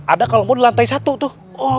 ada kalau mau di lantai satu tuh